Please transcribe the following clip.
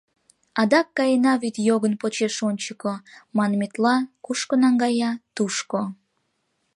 Адак каена вӱдйогын почеш ончыко, манметла, кушко наҥгая — тушко.